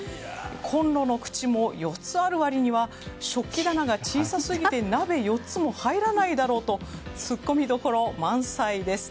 コンロの口も４つある割には食器棚が小さすぎて鍋４つも入らないだろうと突っ込みどころ満載です。